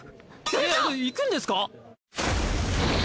えっ行くんですか！？